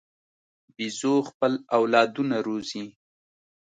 بیزو خپل اولادونه روزي.